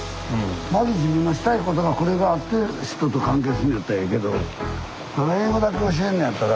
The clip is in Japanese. まず自分がしたいことがこれがあって人と関係するのやったらええけど英語だけ教えるのやったら。